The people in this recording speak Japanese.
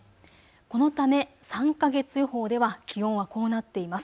このため３か月予報では気温はこうなっています。